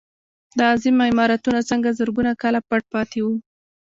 دا عظیم عمارتونه څنګه زرګونه کاله پټ پاتې وو.